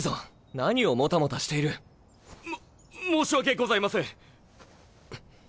何をもたもたしている。も申し訳ございません。